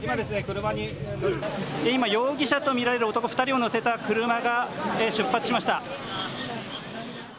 今、容疑者と見られる男２人を乗せた車が出発しました。